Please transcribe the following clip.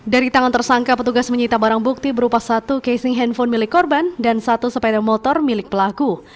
dari tangan tersangka petugas menyita barang bukti berupa satu casing handphone milik korban dan satu sepeda motor milik pelaku